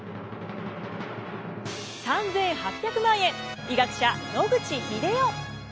３，８００万円医学者野口英世。